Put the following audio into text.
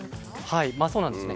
はいそうなんですね。